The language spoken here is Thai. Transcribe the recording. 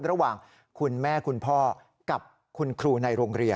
ระหว่างคุณแม่คุณพ่อกับคุณครูในโรงเรียน